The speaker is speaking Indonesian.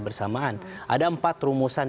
bersamaan ada empat rumusan